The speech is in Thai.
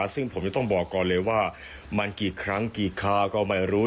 ซึ่งผมจะต้องบอกก่อนเลยว่ามันกี่ครั้งกี่คาก็ไม่รู้